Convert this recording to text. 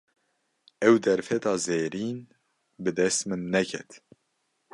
Ew derfeta zêrîn, bi dest min neket